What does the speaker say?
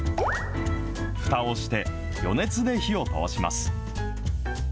ふたをして、余熱で火を通します。